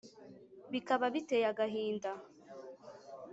bikaba biteye agahinda